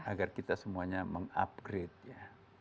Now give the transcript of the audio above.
agar kita semuanya mengupgrade ya